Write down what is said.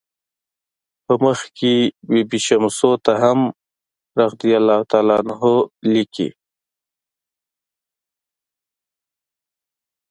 په مخ کې بي بي شمسو ته هم "رضی الله عنه" لیکي.